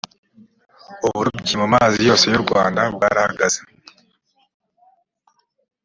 uburobyi mu mazi yose y u rwanda bwarahagaze